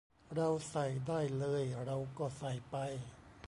เราใส่ได้เลย เราก็ใส่ไป